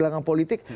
kepada orang politik